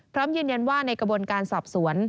พร้อมยืนยันว่าในกระบวนการสอบสวน